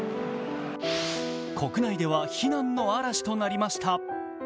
国内では非難の嵐となりました。